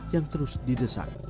yang terus didesak pembuka lahan